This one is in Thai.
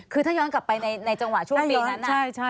คือถ้าย้อนกลับไปในจังหวะช่วงปีนั้น